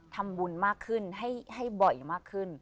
ทำบุญมากขึ้นให้บ่อยมากขึ้น